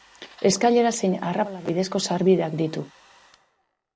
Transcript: Eskailera zein arrapala bidezko sarbideak ditu.